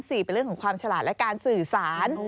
เป็นเรื่องของความฉลาดและการสื่อสาร